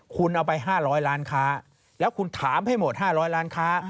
คุณเอาไป๕๐๐ล้านค้าแล้วคุณถามให้หมด๕๐๐ล้านค้า